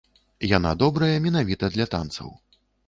Яна добрая менавіта для танцаў.